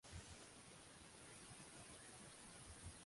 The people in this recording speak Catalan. Telefona a la Mariana Monreal.